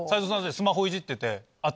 スマホいじってて。